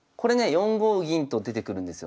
４五銀と出てくるんですよ